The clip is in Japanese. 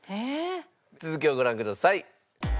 続きをご覧ください。